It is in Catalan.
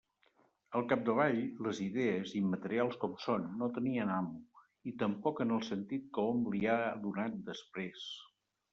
Al capdavall, les idees, immaterials com són, no tenien amo, i tampoc en el sentit que hom li ha donat després.